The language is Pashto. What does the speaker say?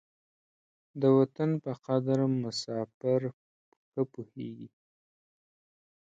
د وطن په قدر مساپر ښه پوهېږي.